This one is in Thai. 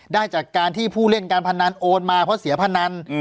ได้จากการที่ผู้เล่นการพนันโอนมาเพราะเสียพนัน